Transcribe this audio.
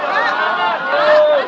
masih berusukan hari ini